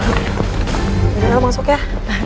udah aku masuk ya